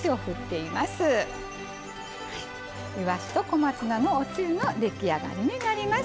いわしと小松菜のおつゆの出来上がりになります。